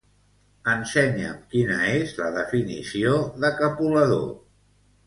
Ensenya'm quina és la definició de capolador.